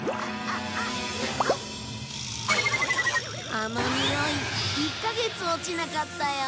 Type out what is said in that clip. あのにおい１カ月落ちなかったよ。